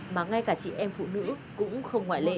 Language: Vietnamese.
mà ngay cả chị em phụ nữ cũng không ngoại lệ